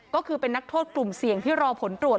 ก็คือเป็นนักโทษกลุ่มเสี่ยงที่รอผลตรวจ